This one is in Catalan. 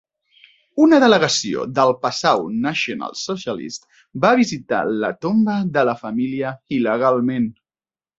Una delegació dels Passau National Socialists va visitar la tomba de la família il·legalment.